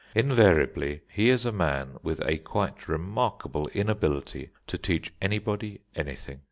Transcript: Invariably he is a man with a quite remarkable inability to teach anybody anything.